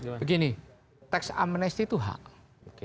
begini tax amnesti itu hak